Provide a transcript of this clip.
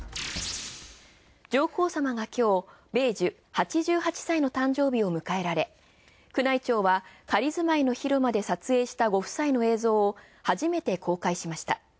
上皇さまがきょう米寿８８歳の誕生日を迎えられ宮内庁は仮住まいの広間で撮影されたご夫妻の映像をはじめて公開しました。